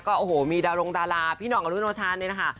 โอ้โหมีดารงดาราพี่ห่องอรุโนชาเนี่ยนะคะ